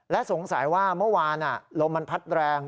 และสงสัยว่าเมื่อวานลมมันพัดแรง